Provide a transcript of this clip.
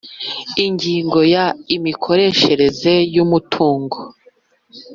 Ingingo ya Imikoreshereze y umutungo